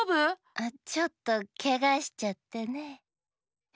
あっちょっとけがしちゃってね。え？